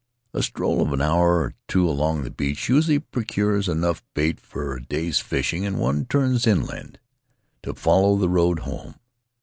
In the Cook Group A stroll of an hour or two along the beach usually procures enough bait for a day's fishing, and one turns inland to follow the road home.